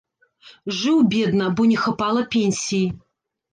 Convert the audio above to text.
Жыў бедна, бо не хапала пенсіі.